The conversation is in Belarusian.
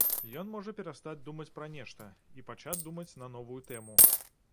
Ён можа перастаць думаць пра нешта і пачаць думаць на новую тэму.